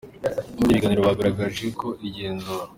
Muri biganiro bagaragaje ko igenzura.